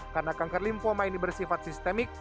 karena kanker lymphoma ini bersifat sistemik